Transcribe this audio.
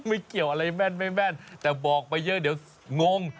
ไม่เกี่ยวอะไรแม่นไม่แม่นแต่บอกไปเยอะเดี๋ยวงง